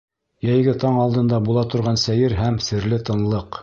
Йәйге таң алдында була торған сәйер Һәм серле тынлыҡ.